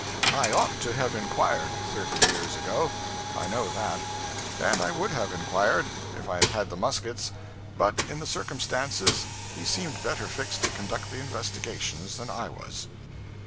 I ought to have inquired, thirty years ago; I know that. And I would have inquired, if I had had the muskets; but, in the circumstances, he seemed better fixed to conduct the investigations than I was.